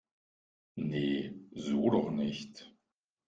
Nee, so doch nicht